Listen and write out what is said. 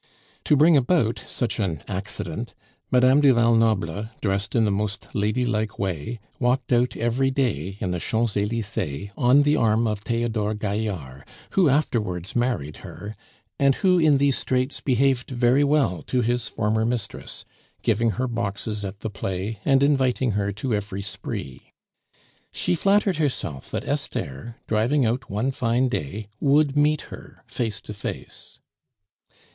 To bring about such an accident, Madame du Val Noble, dressed in the most lady like way, walked out every day in the Champs Elysees on the arm of Theodore Gaillard, who afterwards married her, and who, in these straits, behaved very well to his former mistress, giving her boxes at the play, and inviting her to every spree. She flattered herself that Esther, driving out one fine day, would meet her face to face.